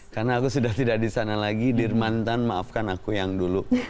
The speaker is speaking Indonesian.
karena aku sudah tidak di sana lagi dir mantan maafkan aku yang dulu